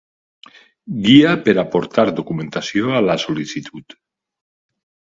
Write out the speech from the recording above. Guia per aportar documentació a la sol·licitud.